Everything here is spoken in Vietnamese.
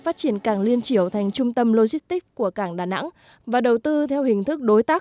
phát triển cảng liên triều thành trung tâm logistics của cảng đà nẵng và đầu tư theo hình thức đối tác